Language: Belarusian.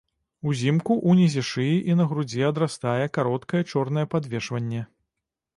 Узімку ўнізе шыі і на грудзі адрастае кароткае чорнае падвешванне.